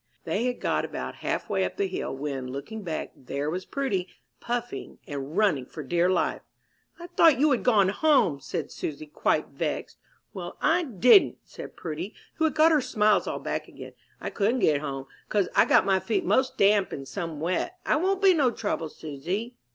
They had got about half way up the hill, when, looking back, there was Prudy, puffing and running for dear life. "I thought you had gone home," said Susy, quite vexed. "Well, I didn't," said Prudy, who had got her smiles all back again; "I couldn't get home 'cause I got my feet 'most damp and some wet. I won't be no trouble, Susy."